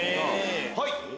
はい。